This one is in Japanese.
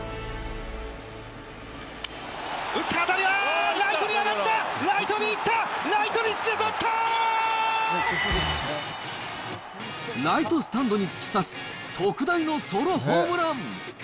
打った、当たりは、ライトに上がった、ライトにいった、ライライトスタンドに突き刺す特大のソロホームラン。